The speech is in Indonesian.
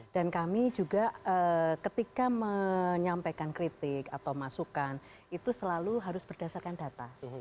dan kami juga ketika menyampaikan kritik atau masukan itu selalu harus berdasarkan data